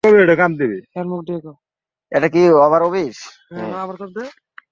এটা কি Oval office?